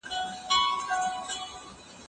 که ته هڅه وکړې نو بریالی به سي.